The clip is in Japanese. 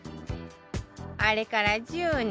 あれから１０年。